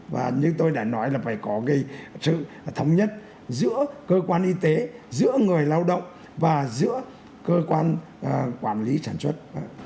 và như tôi đã nói là phải có sự thống nhất giữa cơ quan y tế giữa người lao động và giữa cơ quan quản lý sản xuất